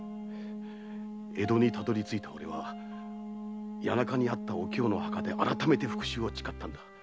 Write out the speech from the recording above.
江戸に着いた俺は谷中にあったおきよの墓で改めて復讐を誓った。